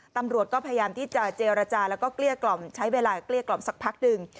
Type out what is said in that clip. ตำรวจก็พยายามที่จะเจรจาแล้วก็เกลี้ยกล่อมใช้เวลาเกลี้ยกล่อมสักพักหนึ่ง